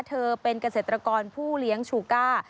เธอเป็นเกษตรกรผู้เลี้ยงชูก้า